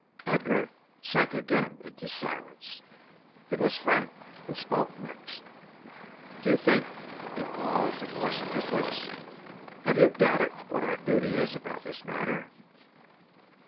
Edgar sank again into silence. It was Frank who spoke next. "Do you think" He paused and moistened his lips "Have you doubted what our duty is about this matter?"